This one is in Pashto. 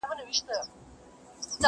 ته له چا څخه په تېښته وارخطا یې،